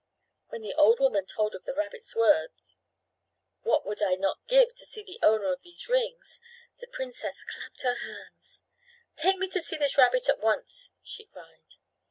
When the old woman told of the rabbit's words, "What would I not give to see the owner of these rings!" the princess clapped her hands. "Take me to see this rabbit at once!" she cried.